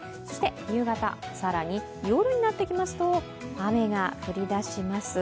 夕方、更に夜になってきますと雨が降り出します。